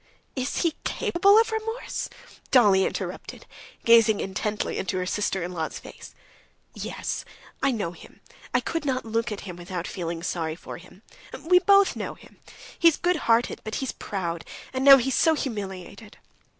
"Is he capable of remorse?" Dolly interrupted, gazing intently into her sister in law's face. "Yes. I know him. I could not look at him without feeling sorry for him. We both know him. He's good hearted, but he's proud, and now he's so humiliated.